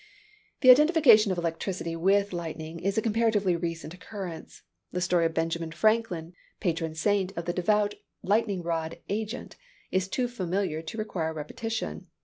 The identification of electricity with lightning is a comparatively recent occurrence. The story of Benjamin Franklin, patron saint of the devout lightning rod agent, is too familiar to require repetition.